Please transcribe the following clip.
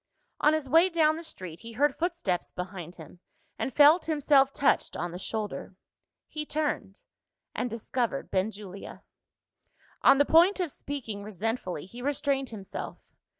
On his way down the street, he heard footsteps behind him, and felt himself touched on the shoulder. He turned and discovered Benjulia. On the point of speaking resentfully, he restrained himself.